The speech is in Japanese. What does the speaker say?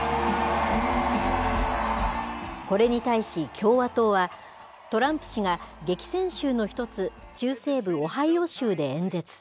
これに対し、共和党はトランプ氏が激戦州の１つ、中西部オハイオ州で演説。